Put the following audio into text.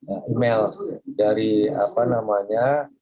email dari apa namanya